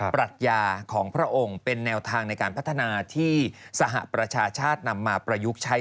ปรัชญาของพระองค์เป็นแนวทางในการพัฒนาที่สหประชาชาตินำมาประยุกต์ใช้